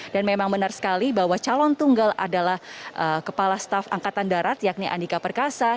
dan memang benar sekali bahwa calon tunggal adalah kepala staff angkatan darat yakni andika perkasa